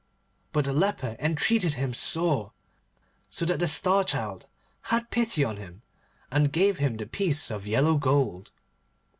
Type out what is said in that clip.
But the leper entreated him sore, so that the Star Child had pity on him, and gave him the piece of yellow gold.